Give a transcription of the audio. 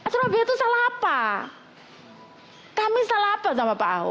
surabaya itu salah apa kami salah apa sama pak ahok